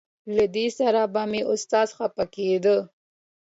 له دې سره به مې استاد خپه کېده.